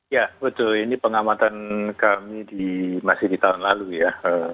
ya betul ini pengamatan kami masih di tahun lalu ya